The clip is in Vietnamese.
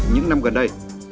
những năm gần đây